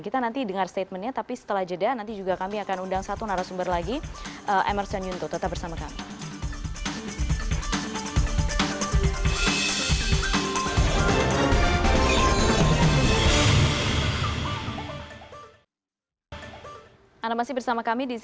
kita nanti dengar statementnya tapi setelah jeda nanti juga kami akan undang satu narasumber lagi emerson yunto tetap bersama kami